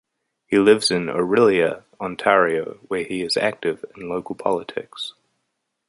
He lives in Orillia, Ontario, where he is active in local politics.